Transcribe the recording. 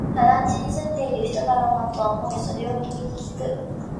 ただ、団地に住んでいる人だろうなとは思い、それを君にきく